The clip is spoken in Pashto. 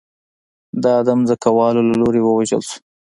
دا د ځمکوالو له لوري ووژل شو